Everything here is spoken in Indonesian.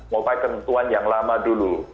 mau pakai ketentuan yang lama dulu